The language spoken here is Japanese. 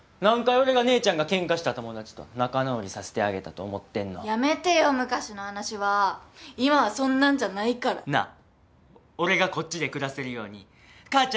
俺が姉ちゃんがけんかした友達と仲直りさせてあげたと思ってんのやめてよ昔の話は今はそんなんじゃないからなぁ俺がこっちで暮らせるように母ちゃんに交渉してくれへん？